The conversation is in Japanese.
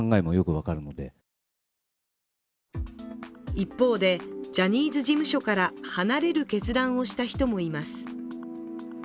一方で、ジャニーズ事務所から離れる決断をした人もいます。